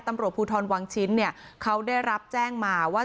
ตำรวจพูทรวงชิ้นเขาได้รับแจ้งมาว่า